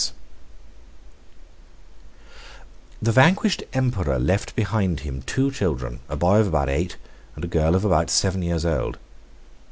] The vanquished emperor left behind him two children, a boy of about eight, and a girl of about seven, years old.